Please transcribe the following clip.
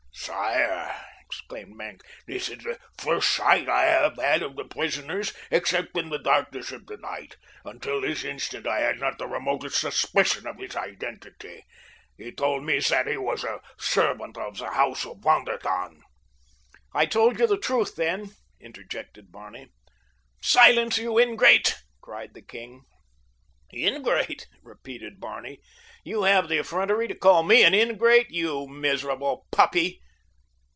"Sire," exclaimed Maenck, "this is the first sight I have had of the prisoners except in the darkness of the night; until this instant I had not the remotest suspicion of his identity. He told me that he was a servant of the house of Von der Tann." "I told you the truth, then," interjected Barney. "Silence, you ingrate!" cried the king. "Ingrate?" repeated Barney. "You have the effrontery to call me an ingrate? You miserable puppy."